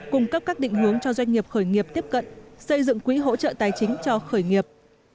cung cấp các định hướng cho doanh nghiệp khởi nghiệp tiếp cận xây dựng quỹ hỗ trợ tài chính cho khởi nghiệp